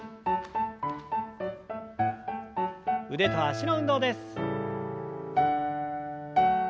腕と脚の運動です。